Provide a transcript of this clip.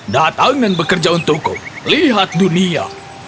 datang dan bekerja untukku lihat dunia